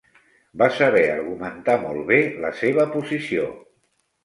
Va saber argumentar molt bé la seva posició.